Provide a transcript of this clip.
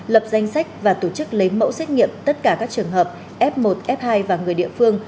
lập danh sách và tổ chức lấy mẫu xét nghiệm tất cả các trường hợp f một f hai và người địa phương